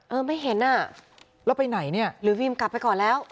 ไม่เห็นอ่ะแล้วไปไหนเนี่ยหรือวิมกลับไปก่อนแล้ว